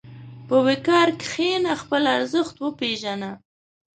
په وقار کښېنه، خپل ارزښت وپېژنه.